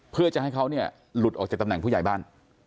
เพื่อจะให้เขาเนี่ยหลุดออกจากตำแหน่งผู้ใหญ่บ้าน